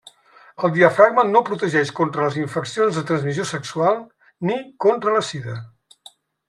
El diafragma no protegeix contra les infeccions de transmissió sexual ni contra la sida.